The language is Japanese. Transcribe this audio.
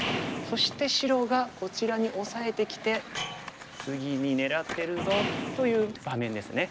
そして白がこちらに押さえてきて次に狙ってるぞという場面ですね。